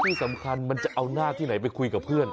สวัสดีสำคัญมันจะเอาหน้าที่ไหนไปคุยกับเพื่อน